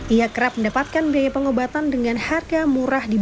ia kerap mendapatkan biaya pengobatan dengan harga murah